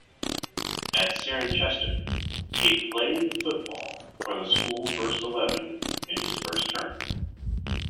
At Cirencester, he played football for the school first eleven in his first term.